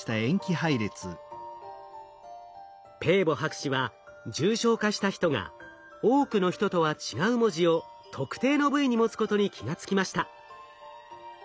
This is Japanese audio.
ペーボ博士は重症化した人が多くの人とは違う文字を特定の部位に持つことに気がつきました。